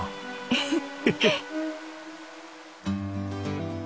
えっ？